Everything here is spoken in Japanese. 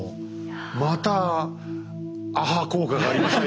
またアハ効果がありました